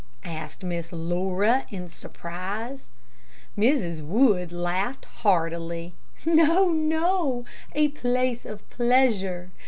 asked Miss Laura, in surprise. Mrs. Wood laughed heartily. "No, no; a place of pleasure.